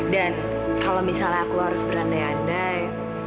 dan kalau misalnya aku harus berandai andai